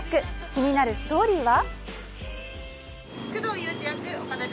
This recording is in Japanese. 気になるストーリーは？